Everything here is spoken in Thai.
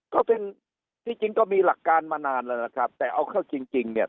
ก็เป็นที่จริงก็มีหลักการมานานแล้วนะครับแต่เอาเข้าจริงจริงเนี่ย